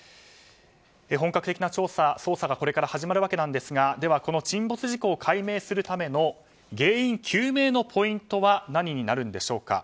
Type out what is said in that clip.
本格的な捜査がこれから始まるわけですがではこの沈没事故を解明するための原因究明のポイントは何になるんでしょうか。